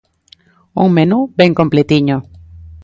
Un menú ben completiño.